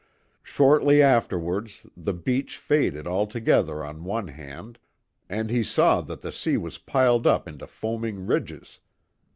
Shortly afterwards, the beach faded altogether on one hand, and he saw that the sea was piled up into foaming ridges.